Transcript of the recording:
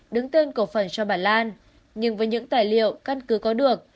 đứng tên cổ phần cho bà lan nhưng với những tài liệu căn cứ có được